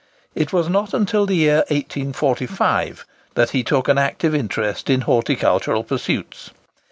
It was not until the year 1845 that he took an active interest in horticultural pursuits.